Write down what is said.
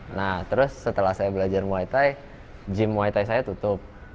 nah terus setelah saya belajar muay thai gym muay thai saya tutup